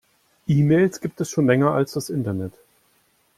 E-Mails gibt es schon länger als das Internet.